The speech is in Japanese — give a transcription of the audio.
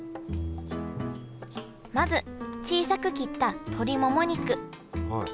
まず小さく切った鶏もも肉。